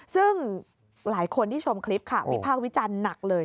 ซึ่งหลายคนที่ชมคลิปค่ะวิพากษ์วิจารณ์หนักเลย